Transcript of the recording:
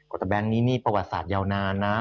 แต่แบงค์นี้นี่ประวัติศาสตร์ยาวนานนะ